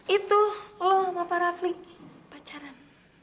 itu lu sama pak rafli pacaran